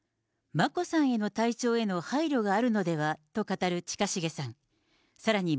眞子さんへの体調への配慮があるのではと語る近重さん。